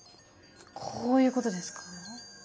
こういうことですか？